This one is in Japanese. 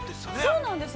◆そうなんです。